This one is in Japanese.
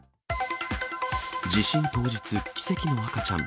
地震当日、奇跡の赤ちゃん。